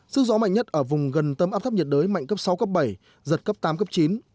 sức gió mạnh nhất ở vùng gần tâm áp thấp nhiệt đới mạnh cấp sáu cấp bảy giật cấp tám cấp chín